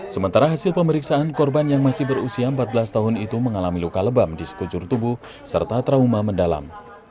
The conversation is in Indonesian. sementara hasil pemeriksaan korban yang masih berusia empat belas tahun itu mengalami luka lebam di sekujur tubuh serta trauma mendalam